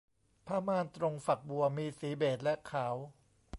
ผ้าม่านตรงฝักบัวมีสีเบจและขาว